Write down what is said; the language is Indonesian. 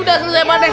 udah selesai padah